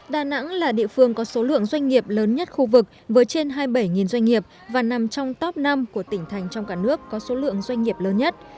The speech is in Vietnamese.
đà nẵng là địa phương có số lượng doanh nghiệp lớn nhất khu vực với trên hai mươi bảy doanh nghiệp và nằm trong top năm của tỉnh thành trong cả nước có số lượng doanh nghiệp lớn nhất